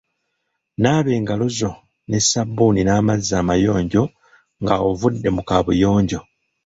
Naaba engalo zo ne sabbuuni n'amazzi amayonjo nga ovudde mu kaabuyonjo.